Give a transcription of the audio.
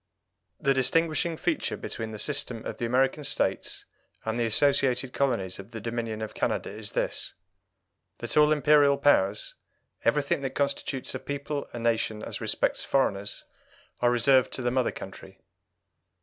The distinguishing feature between the system of the American States and the associated colonies of the Dominion of Canada is this that all Imperial powers, everything that constitutes a people a nation as respects foreigners, are reserved to the mother country.